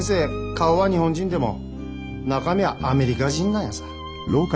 顔は日本人でも中身はアメリカ人なんやさ。